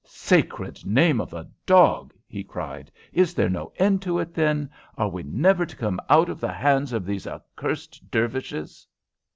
"Sacred name of a dog!" he cried. "Is there no end to it, then? Are we never to come out of the hands of these accursed Dervishes?"